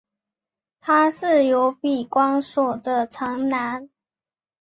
他是由比光索的长男。